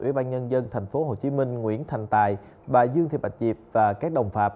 ủy ban nhân dân tp hcm nguyễn thành tài bà dương thị bạch diệp và các đồng phạm